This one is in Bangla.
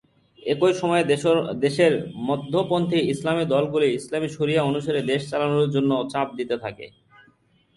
একই সময়ে দেশের মধ্যপন্থী ইসলামী দলগুলি ইসলামী শরিয় অনুসারে দেশ চালানোর জন্য চাপ দিতে থাকে।